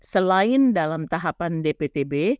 selain dalam tahapan dptb